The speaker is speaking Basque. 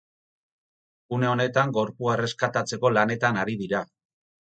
Une honetan gorpua erreskatatzeko lanetan ari dira.